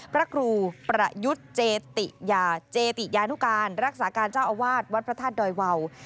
พระครูประยุทธ์เจติยาเจติยานุการรักษาการเจ้าอาวาสวัดพระธาตุดอยวาว